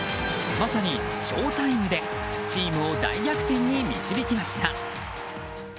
まさにショウタイムでチームを大逆転に導きました。